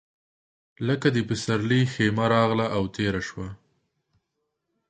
لکه د پسرلي هیښمه راغله، تیره سوه